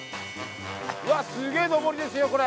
うわっすげえ上りですよこれ。